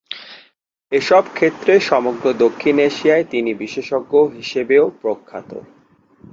এসব ক্ষেত্রে সমগ্র দক্ষিণ এশিয়ায় তিনি বিশেষজ্ঞ হিসেবেও প্রখ্যাত।